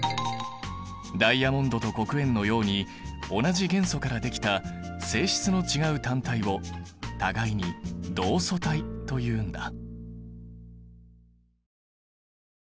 ダイヤモンドと黒鉛のように同じ元素からできた性質の違う単体を互いに同素体というんだ。